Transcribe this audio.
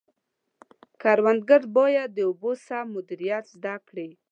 کروندګر باید د اوبو سم مدیریت زده کړي.